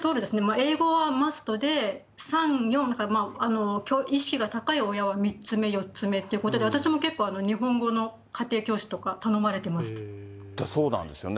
英語はマストで、３、４か、意識が高い親は３つ目、４つ目ということで、私も結構、日本語の家庭教師とか頼まれてまそうなんですよね。